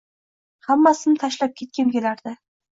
Hammasini tashlab ketgim kelardi